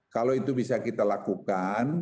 kalau itu bisa kita lakukan